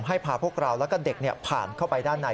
พาพวกเราแล้วก็เด็กผ่านเข้าไปด้านใน